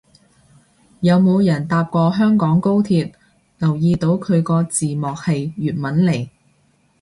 有冇人搭過香港高鐵留意到佢個字幕係粵文嚟